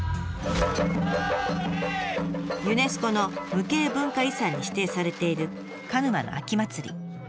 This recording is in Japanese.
ユネスコの無形文化遺産に指定されている鹿沼の秋まつり。